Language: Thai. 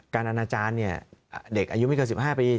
การอนาจารย์เนี่ยเด็กอายุไม่เกิน๑๕ปี